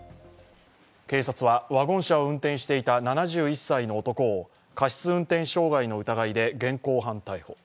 警察はワゴン車を運転していた７１歳の男を過失運転傷害の疑いで現行犯逮捕。